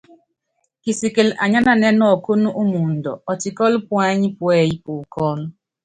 Kisikili anyánanɛ́ɛ́ nɔkúnɔ́ umɔɔd, ɔtikɔ́lɔ́ puányi púɛ́yí pukɔ́n.